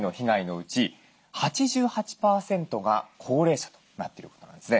うち８８％が高齢者となってることなんですね。